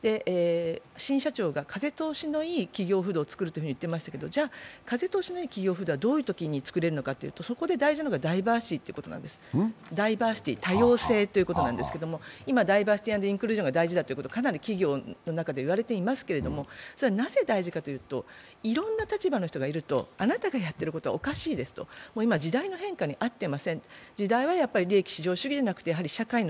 新社長が風通しのいい企業風土を作ると言っていましたけど、風通しのいい企業風土はどういうときにつくれるかというとそこで大事なのがダイバーシティー、多様性ということなんですけれど今、ダイバーシティー＆インクルージョンが大事だとかなり企業の中で言われていますけれども、それはなぜ大事かというといろんな立場の人がいるとあなたのやっていることはおかしいですと、今、時代の変化に合っていません。